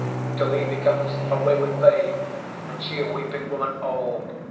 Till he becomes a wayward Babe, And she a weeping Woman Old.